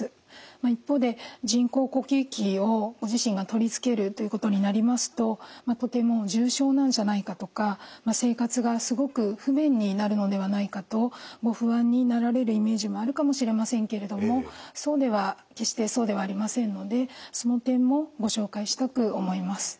一方で人工呼吸器をご自身が取り付けるということになりますととても重症なんじゃないかとか生活がすごく不便になるのではないかとご不安になられるイメージもあるかもしれませんけれどもそうでは決してそうではありませんのでその点もご紹介したく思います。